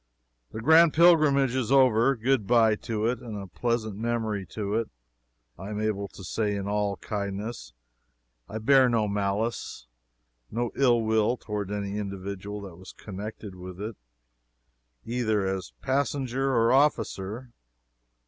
The grand pilgrimage is over. Good bye to it, and a pleasant memory to it, I am able to say in all kindness. I bear no malice, no ill will toward any individual that was connected with it, either as passenger or officer.